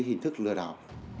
hình thức lừa đảo